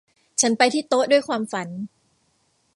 ฉันไปที่โต๊ะด้วยความฝัน